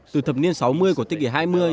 từ thập niên sáu mươi của thế kỷ hai mươi